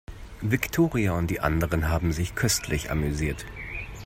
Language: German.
Viktoria und die anderen haben sich köstlich amüsiert.